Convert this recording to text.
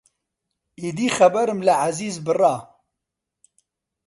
ئیدی خەبەرم لە عەزیز بڕا